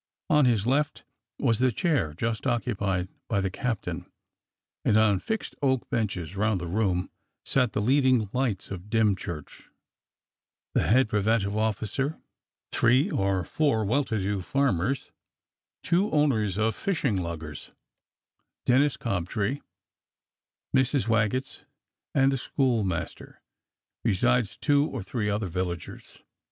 On his left was the chair just occupied by the captain, and on fixed oak benches round the room sat the lead 82 THE CAPTAIN OBJECTS 83 ing lights of Dymchurch: the head preventive officer, three or four well to do farmers, two owners of fishing luggers, Denis Cobtree, Mrs. Waggetts, and the school master, besides two or three other villagers.